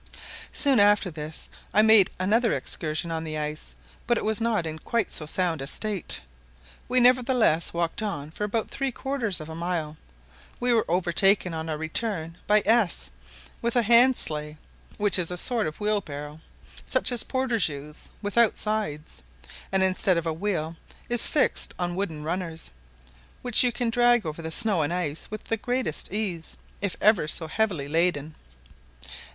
Soon after this I made another excursion on the ice, but it was not in quite so sound a state. We nevertheless walked on for about three quarters of a mile. We were overtaken on our return by S with a handsleigh, which is a sort of wheelbarrow, such as porters use, without sides, and instead of a wheel, is fixed on wooden runners, which you can drag over the snow and ice with the greatest ease, if ever so heavily laden.